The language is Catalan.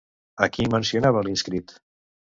A qui mencionava l'inscrit?